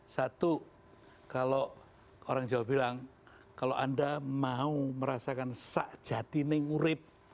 satu kalau orang jawa bilang kalau anda mau merasakan sak jatine ngurip